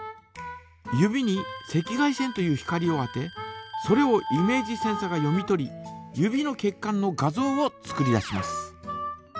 指に赤外線という光を当てそれをイメージセンサが読み取り指の血管の画像を作り出します。